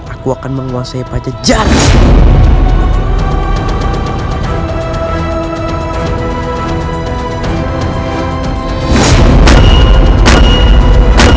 aku akan menguasai pada jalan